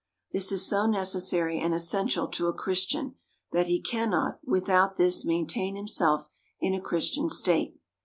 This is so necessary and essential to a Christian, that he cannot, without this, maintain himself in a Christian state.